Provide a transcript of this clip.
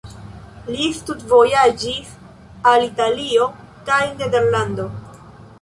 Li studvojaĝis al Italio kaj Nederlando.